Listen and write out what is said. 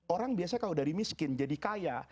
orang biasanya kalau dari miskin jadi kaya